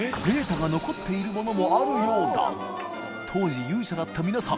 稘郝勇者だった皆さん